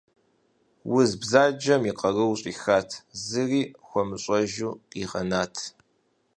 Уз бзаджэм и къарур щӀихат, зыри хуэмыщӀэжу къигъэнат.